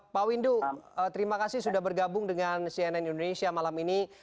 pak windu terima kasih sudah bergabung dengan cnn indonesia malam ini